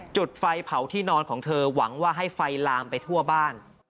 จุดไฟเผาที่นอนของเธอหวังว่าให้ไฟลามไปทั่วบ้าน